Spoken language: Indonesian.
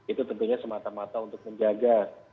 itu tentunya semata mata untuk menjaga